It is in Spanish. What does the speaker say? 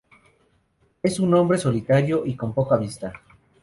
Es un hombre solitario y con poca vista.